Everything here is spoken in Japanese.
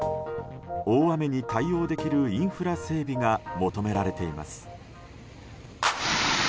大雨に対応できるインフラ整備が求められています。